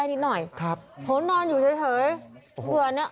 พี่ยังพูดได้นิดหน่อย